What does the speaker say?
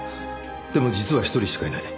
でも実は一人しかいない。